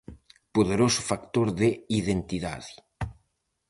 Poderoso factor de identidade.